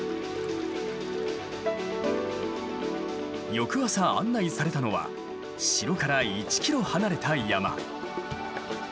翌朝案内されたのは城から１キロ離れた山。